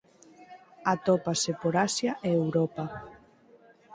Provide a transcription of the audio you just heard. Atópase por Asia e Europa.